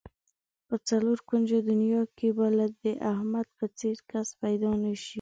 په څلور کونجه دنیا کې به د احمد په څېر کس پیدا نشي.